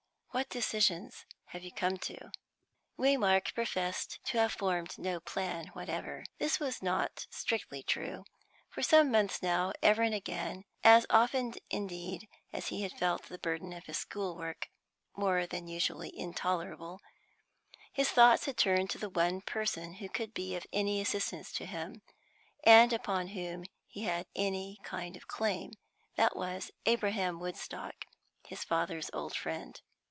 What decision have you come to?" Waymark professed to have formed no plan whatever. This was not strictly true. For some months now, ever and again, as often indeed as he had felt the burden of his schoolwork more than usually intolerable, his thoughts had turned to the one person who could be of any assistance to him, and upon whom he had any kind of claim; that was Abraham Woodstock, his father's old friend.